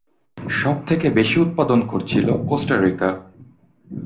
সবথেকে বেশি উৎপাদন করছিল কোস্টা রিকা।